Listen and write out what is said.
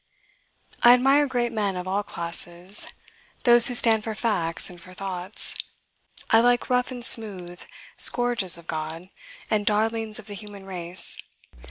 I admire great men of all classes, those who stand for facts, and for thoughts; I like rough and smooth "Scourges of God," and "Darlings of the human race."